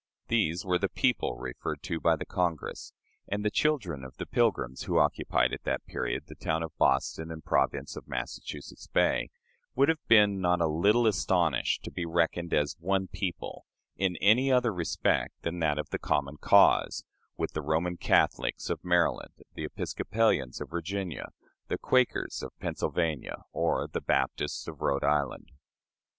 " These were the "people" referred to by the Congress; and the children of the Pilgrims, who occupied at that period the town of Boston and Province of Massachusetts Bay, would have been not a little astonished to be reckoned as "one people," in any other respect than that of the "common cause," with the Roman Catholics of Maryland, the Episcopalians of Virginia, the Quakers of Pennsylvania, or the Baptists of Rhode Island.